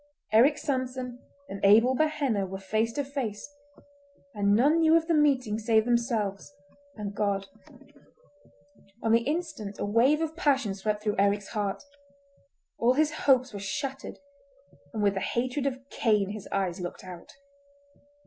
Eric Sanson and Abel Behenna were face to face—and none knew of the meeting save themselves; and God. On the instant a wave of passion swept through Eric's heart. All his hopes were shattered, and with the hatred of Cain his eyes looked out.